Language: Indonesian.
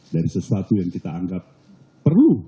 dari sesuatu yang kita anggap perlu